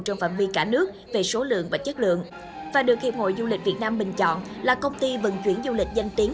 trong phạm vi cả nước về số lượng và chất lượng và được hiệp hội du lịch việt nam bình chọn là công ty vận chuyển du lịch danh tiếng